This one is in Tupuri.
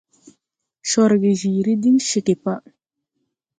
Corge jiiri diŋ ceege pa.